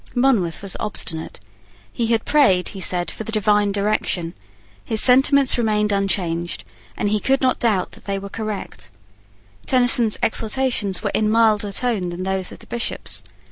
Monmouth was obstinate. He had prayed, he said, for the divine direction. His sentiments remained unchanged; and he could not doubt that they were correct. Tenison's exhortations were in milder tone than those of the Bishops.